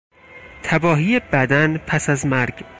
تباهی بدن پس از مرگ